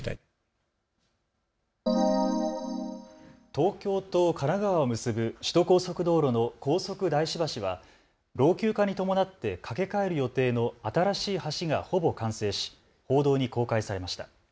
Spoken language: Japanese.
東京と神奈川を結ぶ首都高速道路の高速大師橋は老朽化に伴って架け替える予定の新しい橋がほぼ完成し報道に公開されました。